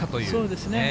そうですね。